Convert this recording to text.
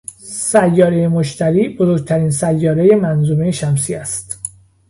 سیاره مشتری، بزرگترین سیاره منظومهٔ شمسی است